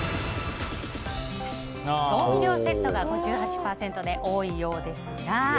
調味料セットが５８％で多いようですが。